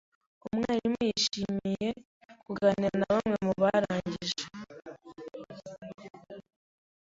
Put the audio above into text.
Umwarimu yishimiye kuganira na bamwe mu barangije.